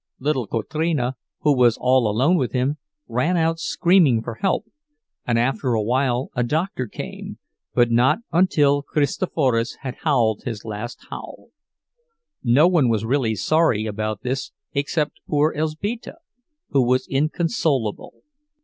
Little Kotrina, who was all alone with him, ran out screaming for help, and after a while a doctor came, but not until Kristoforas had howled his last howl. No one was really sorry about this except poor Elzbieta, who was inconsolable.